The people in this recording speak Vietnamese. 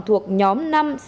thuộc nhóm năm sáu